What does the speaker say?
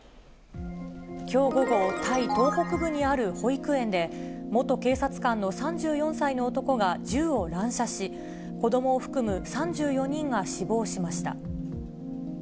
きょう午後、タイ東北部にある保育園で、元警察官の３４歳の男が銃を乱射し、子どもを含む３４人が死亡しました。